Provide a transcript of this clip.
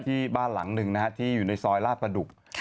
ที่บ้านหลังหนึ่งนะฮะที่อยู่ในซอยลาดประดุก